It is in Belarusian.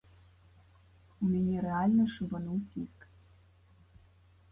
У мяне рэальна шыбануў ціск.